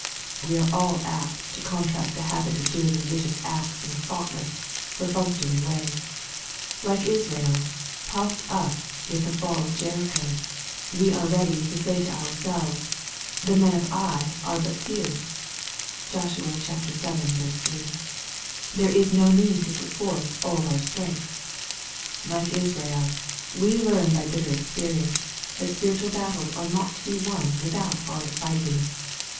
'* We are all apt to contract a habit of doing religious acts in a thoughtless, perfunctory way. Like Israel, puffed up with the fall of Jericho, we are ready to say to our selves, " The men of Ai are but few ;" (Josh. vii. 3 ;)*^ there is no need to put forth all our strength." Like Israel, we often learn by bitter experience, that spirituiil battles are not to be won without hard fighting.